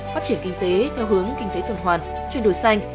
phát triển kinh tế theo hướng kinh tế tuần hoàn chuyển đổi xanh